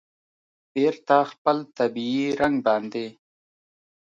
بېرته خپل طبیعي رنګ باندې